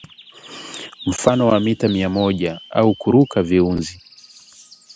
Mfano za mita mia moja au kuruka viunzi